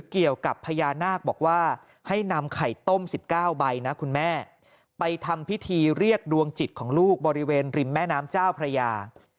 เกี่ยวกับพญานาคบอกว่าให้นำไข่ต้ม๑๙ใบนะคุณแม่ไปทำพิธีเรียกดวงจิตของลูกบริเวณริมแม่น้ำเจ้าพระยา